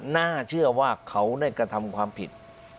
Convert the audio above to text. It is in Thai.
น่าเชื่อว่าเขาได้กระทำความผิด